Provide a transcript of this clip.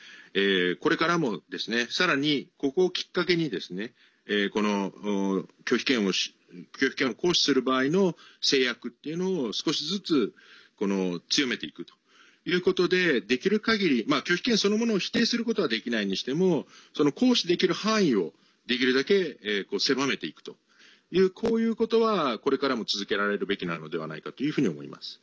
これからも、さらにここをきっかけにですね拒否権を行使する場合の制約っていうのを少しずつ強めていくということでできるかぎり、拒否権そのものを否定することはできないにしても行使できる範囲をできるだけ狭めていくというこういうことは、これからも続けられるべきなのではないかというふうに思います。